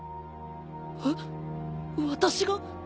えっ私が？